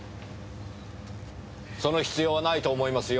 その必要はないと思いますよ。